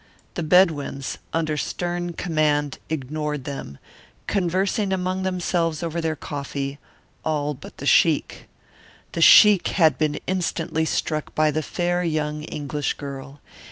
The Bedouins, under stern command, ignored them, conversing among themselves over their coffee all but the sheik. The sheik had been instantly struck by the fair young English girl.